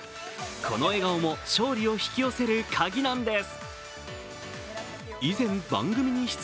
この笑顔も勝利を引き寄せる鍵なんです。